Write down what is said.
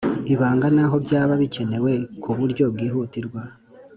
ibanga n’aho byaba bikenewe ku bu- ryo bwihutirwa.